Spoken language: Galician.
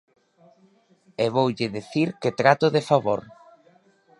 E voulle dicir que trato de favor.